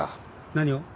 何を？